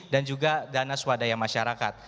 dan juga dana swadaya masyarakat